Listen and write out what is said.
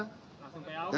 masuk ke aok ya